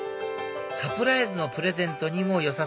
サプライズのプレゼントにもよさそうですね